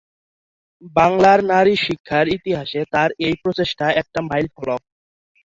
বাংলার নারী শিক্ষার ইতিহাসে তার এই প্রচেষ্টা একটা মাইলফলক।